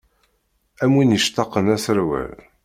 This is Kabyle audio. Am win yectaqen aserwal.